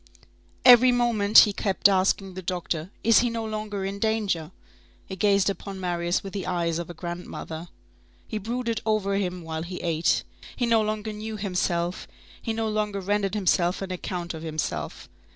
Every moment, he kept asking the doctor: "Is he no longer in danger?" He gazed upon Marius with the eyes of a grandmother. He brooded over him while he ate. He no longer knew himself, he no longer rendered himself an account of himself.